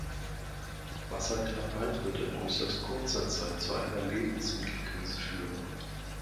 Wasserknappheit wird in äußerst kurzer Zeit zu einer Lebensmittelkrise führen.